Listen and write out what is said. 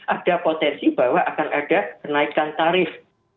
ada potensi bahwa akan ada kenaikan tarif